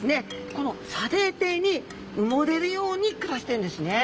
この砂泥底に埋もれるように暮らしてるんですね。